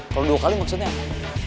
kalau dua kali maksudnya apa